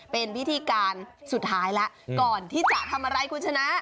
เป็นพิธีการสุดท้ายแล้วก่อนที่จะทำอะไรคุณชนะ